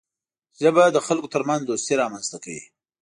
ژبه د خلکو ترمنځ دوستي رامنځته کوي